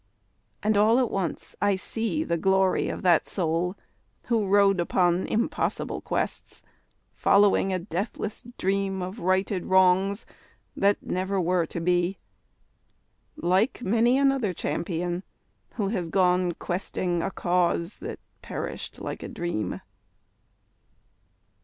And all at once I see The glory of that soul who rode upon Impossible quests, following a deathless dream Of righted wrongs, that never were to be, Like many another champion who has gone Questing a cause that perished like a dream.